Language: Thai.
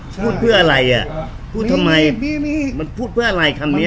พูดเพื่ออะไรอ่ะพูดทำไมมันพูดเพื่ออะไรคำนี้